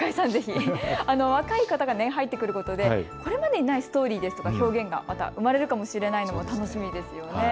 若い方が入ってくることでこれまでにないストーリーですとか表現がまた生まれるかもしれない、楽しみですよね。